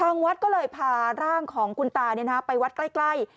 วัดก็เลยพาร่างของคุณตาไปวัดใกล้